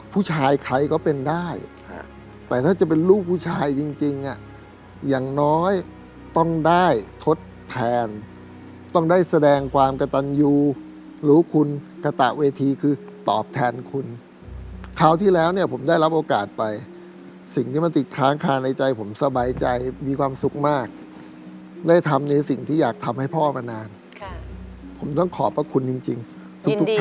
ผู้ชายใครก็เป็นได้แต่ถ้าจะเป็นลูกผู้ชายจริงอย่างน้อยต้องได้ทดแทนต้องได้แสดงความกระตันยูรู้คุณกระตะเวทีคือตอบแทนคุณคราวที่แล้วเนี่ยผมได้รับโอกาสไปสิ่งที่มันติดค้างคาในใจผมสบายใจมีความสุขมากได้ทำในสิ่งที่อยากทำให้พ่อมานานผมต้องขอบพระคุณจริงทุกท่าน